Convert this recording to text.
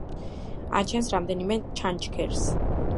აჩენს რამდენიმე ჩანჩქერს.